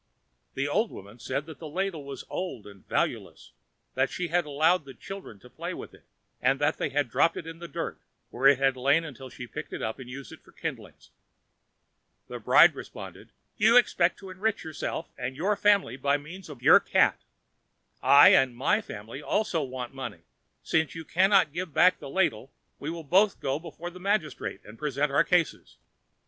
The old woman said that the ladle was old and valueless; that she had allowed the children to play with it, and that they had dropped it in the dirt, where it had lain until she had picked it up and used it for kindlings. The bride responded: "You expect to enrich yourself and your family by means of your cat. I and my family also want money. Since you cannot give back the ladle, we will both go before the magistrate and present our cases.